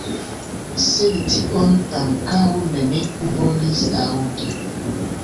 Sed tion ankaŭ neniu volis aŭdi.